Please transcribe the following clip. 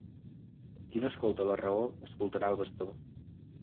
Qui no escolta la raó, escoltarà el bastó.